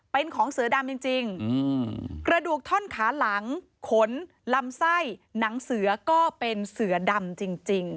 เป็นของเสือดำจริงกระดูกท่อนขาหลังขนลำไส้หนังเสือก็เป็นเสือดำจริง